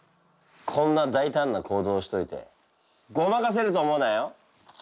こんな大胆な行動をしといてごまかせると思うなよ！